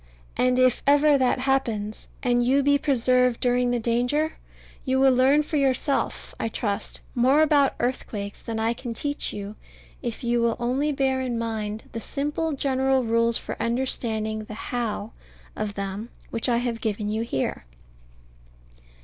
And if ever that happens, and you be preserved during the danger, you will learn for yourself, I trust, more about earthquakes than I can teach you, if you will only bear in mind the simple general rules for understanding the "how" of them which I have given you here.